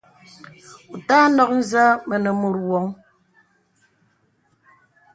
Wɔ ùtà nɔk nzə mənə mùt wɔŋ.